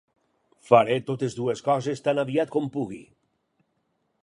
Faré totes dues coses, tan aviat com pugui.